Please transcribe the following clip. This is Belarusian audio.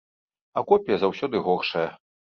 А копія заўсёды горшая.